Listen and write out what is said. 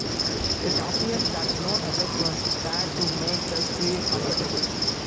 It appears that no effort was spared to make the crew comfortable.